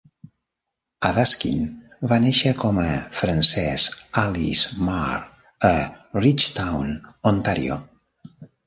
Adaskin va néixer com a Frances Alice Marr a Ridgetown, Ontàrio.